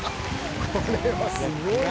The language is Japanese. これはすごい。